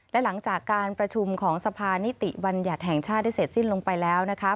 และหลังจากการประชุมของสภานิติบัญญัติแห่งชาติได้เสร็จสิ้นลงไปแล้วนะคะ